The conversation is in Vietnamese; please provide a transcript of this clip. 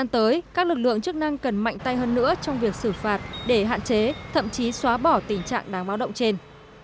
trong việc xử phạt để hạn chế thậm chí xóa bỏ tình trạng đang báo động trên